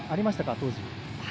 当時。